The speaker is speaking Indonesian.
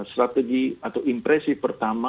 strategi atau impresi pertahankan